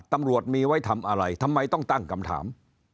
ตำรวจมีไว้ทำอะไรทำไมต้องตั้งคำถาม